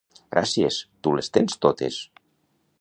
—Gràcies! —Tu les tens totes!